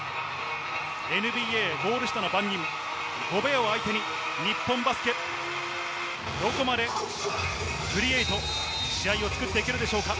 ＮＢＡ、ゴール下の番人、ゴベアを相手に日本バスケ、どこまでクリエイト、試合を作っていけるでしょうか。